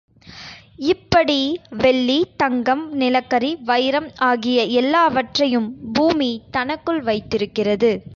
இப்படி வெள்ளி, தங்கம், நிலக்கரி, வைரம் ஆகிய எல்லாவற்றையும் பூமி தனக்குள் வைத்திருக்கிறது.